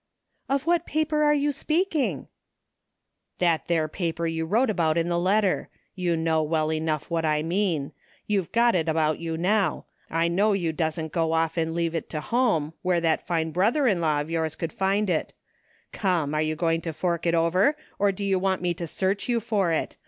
" Of what paper are you speaking? "" That there paper you wrote about in the letter. You know well enough what I mean. YouVe got it about you now. I know you dassent go off and leave it to home, where that fine brother in law of yours could find it Come, are you going to fork over, or do you want me to search you for it